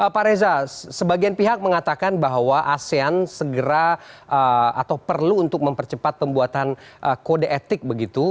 pak reza sebagian pihak mengatakan bahwa asean segera atau perlu untuk mempercepat pembuatan kode etik begitu